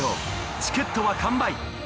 チケットは完売。